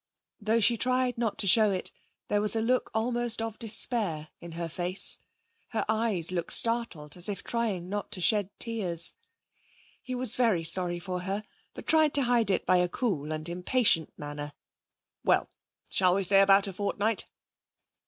Though she tried not to show it, there was a look almost of despair in her face. Her eyes looked startled, as if trying not to shed tears. He was very sorry for her, but tried to hide it by a cool and impatient manner. 'Well, shall we say in about a fortnight?'